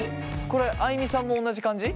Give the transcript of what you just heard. これあいみさんも同じ感じ？